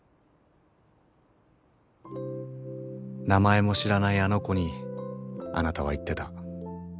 名前も知らないあの子にあなたは言ってた。